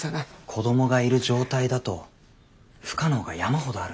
子供がいる状態だと不可能が山ほどあるんです。